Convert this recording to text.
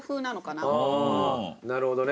なるほどね。